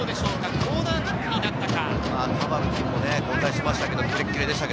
コーナーキックになったか。